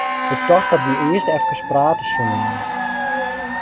Ik tocht dat wy earst eefkes prate soene.